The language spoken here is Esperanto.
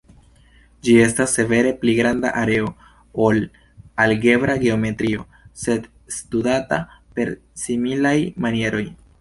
Ĝi estas severe pli granda areo ol algebra geometrio, sed studata per similaj manieroj.